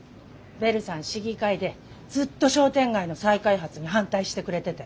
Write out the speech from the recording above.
ベルさん市議会でずっと商店街の再開発に反対してくれてて。